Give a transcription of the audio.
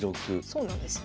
そうなんですよ。